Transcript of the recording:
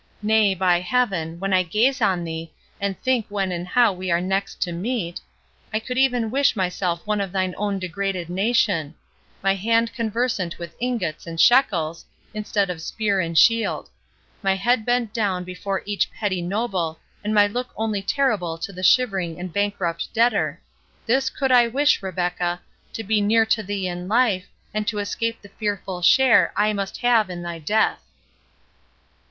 —Nay, by Heaven! when I gaze on thee, and think when and how we are next to meet, I could even wish myself one of thine own degraded nation; my hand conversant with ingots and shekels, instead of spear and shield; my head bent down before each petty noble, and my look only terrible to the shivering and bankrupt debtor—this could I wish, Rebecca, to be near to thee in life, and to escape the fearful share I must have in thy death."